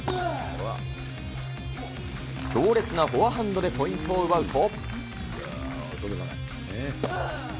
強烈なフォアハンドでポイントを奪うと。